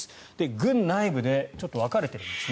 軍内部でちょっと分かれています。